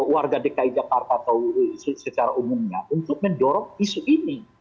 warga dki jakarta atau secara umumnya untuk mendorong isu ini